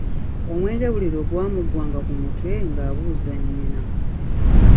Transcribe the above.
Omwenge buli lwe gwamuggwanga ku mutwe, ng'abuuza nnyina.